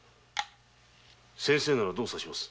先生ならどう指します？